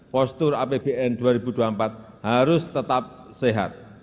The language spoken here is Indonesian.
postur apbn dua ribu dua puluh empat harus tetap sehat